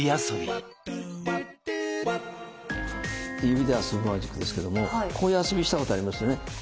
指で遊ぶマジックですけどもこういう遊びしたことありますよね。